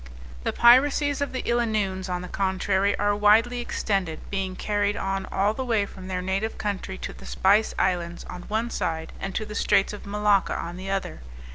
The piracies of the Illanoons, on the contrary, are widely extended, being carried on all the way from their native country to the Spice Islands, on one side, and to the Straits of Malacca on the other.